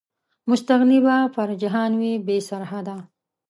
مستغني به پر جهان وي، بې سرحده